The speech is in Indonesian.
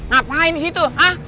ngapain di situ ah